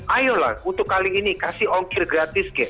ayolah untuk kali ini kasih ongkir gratis kek